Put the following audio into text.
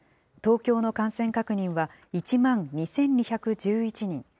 東京の感染確認は１万２２１１人。